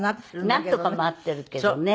なんとか回ってるけどね。